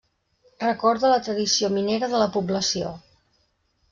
Record de la tradició minera de la població.